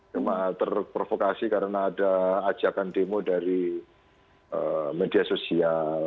cuma terprovokasi karena ada ajakan demo dari media sosial